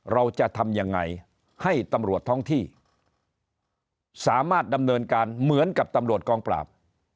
เราจะทำยังไงให้ตำรวจท้องที่สามารถดำเนินการเหมือนกับตำรวจกองปราบ